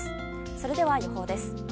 それでは、予報です。